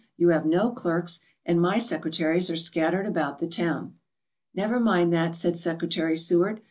"You have no clerks, and my secretaries are scattered about the town/' "Never mind that," said Secretary Seward.